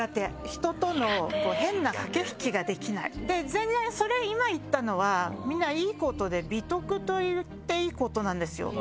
全然それ今言ったのはみんないいことで美徳と言っていいことなんですよ。